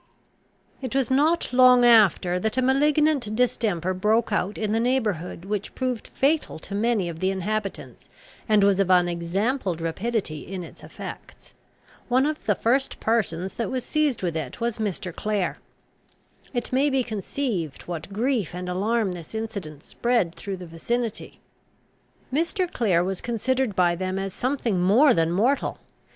It was not long after that a malignant distemper broke out in the neighbourhood, which proved fatal to many of the inhabitants, and was of unexampled rapidity in its effects. One of the first persons that was seized with it was Mr. Clare. It may be conceived, what grief and alarm this incident spread through the vicinity. Mr. Clare was considered by them as something more than mortal.